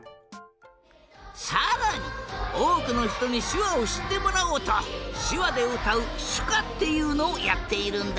さらにおおくのひとにしゅわをしってもらおうとしゅわでうたうしゅかっていうのをやっているんだ。